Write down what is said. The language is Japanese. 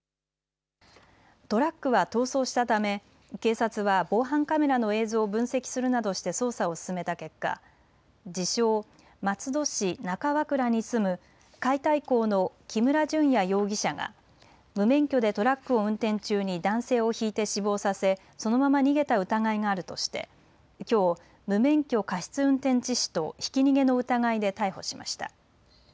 トラックは逃走したため警察は防犯カメラの映像を分析するなどして捜査を進めた結果、自称、松戸市中和倉に住む解体工の木村隼也容疑者が無免許でトラックを運転中に男性をひいて死亡させ、そのまま逃げた疑いがあるとしてきょう無免許過失運転致死とひき逃げの疑いで逮捕しました。